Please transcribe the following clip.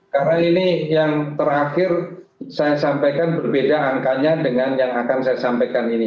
karena ini yang terakhir saya sampaikan berbeda angkanya dengan yang akan saya sampaikan ini